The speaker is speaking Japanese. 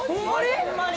ホンマに！？